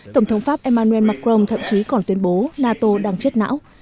tổng thống pháp emmanuel macron thậm chí còn tuyên bố nato đang chết não